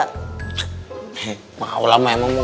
he maulah memang mau